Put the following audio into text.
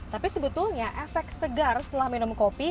tapi sebetulnya efek segar setelah minum kopi